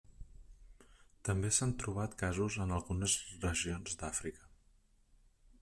També s'han trobat casos en algunes regions d'Àfrica.